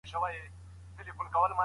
تېر وخت ماشوم تمرکز وکړ.